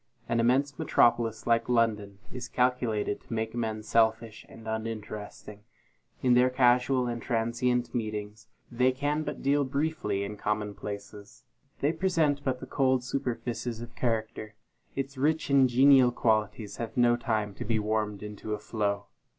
An immense metropolis, like London, is calculated to make men selfish and uninteresting. In their casual and transient meetings, they can but deal briefly in commonplaces. They present but the cold superfices of character its rich and genial qualities have no time to be warmed into a flow.